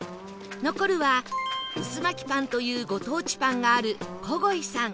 残るはうずまきパンというご当地パンがあるこごいさん